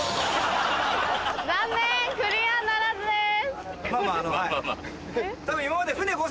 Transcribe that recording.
残念クリアならずです！